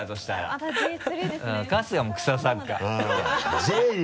春日はもう草サッカー。